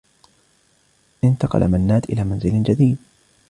انتقل منّاد إلى منزل جديد.